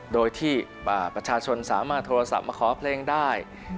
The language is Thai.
โดยที่ประชาชนสามารถโทรศัพท์มาขอเพลงได้